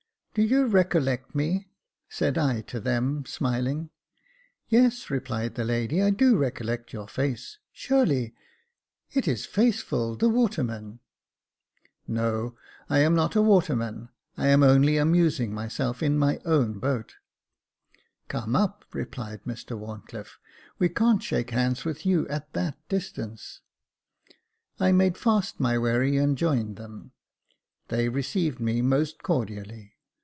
" Do you recollect me ?" said I to them, smiling. " Yes," replied the lady, I do recollect your face — surely — it is Faithful, the waterman !"No, I am not a waterman j I am only amusing myself in my own boat." " Come up," replied Mr Wharncliffe ;" we can't shake hands with you at that distance." I made fast my wherry and joined them. They received me most cordially.